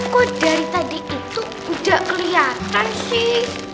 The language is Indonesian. kok dari tadi itu udah kelihatan sih